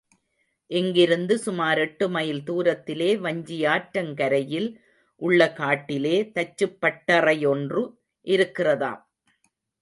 இங்கிருந்து சுமார் எட்டு மைல் தூரத்திலே வஞ்சியாற்றங் கரையில் உள்ள காட்டிலே தச்சுச்சுப்பட்டறையொன்று இருக்கிறதாம்.